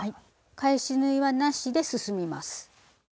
返し縫いはなしで進みます。